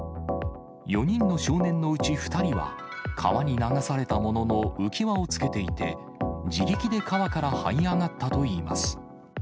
４人の少年のうち２人は、川に流されたものの、浮き輪をつけていて、自力で川からはい上がったといいます。